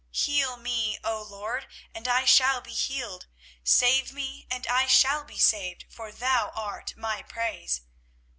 24:017:014 Heal me, O LORD, and I shall be healed; save me, and I shall be saved: for thou art my praise.